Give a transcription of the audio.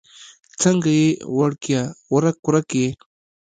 څنګه يې وړکيه؛ ورک ورک يې؟